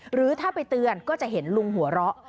หรือถ้าไปเตือนก็จะเห็นลุงหัวเราะ